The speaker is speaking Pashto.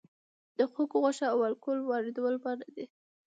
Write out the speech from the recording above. د خوګ غوښه او الکول واردول منع دي؟